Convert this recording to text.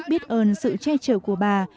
biết ơn sự che chở của bà